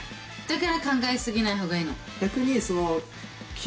だから考え過ぎない方がいいの。